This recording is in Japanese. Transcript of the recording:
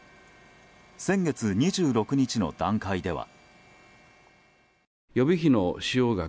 先月２６日の段階では。